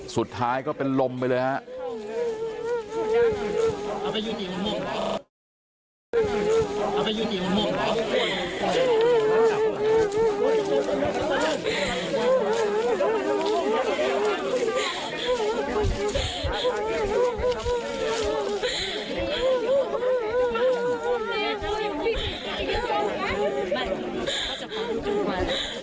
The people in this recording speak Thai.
สุดท้ายก็เป็นลมไปเลยครับ